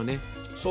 そう。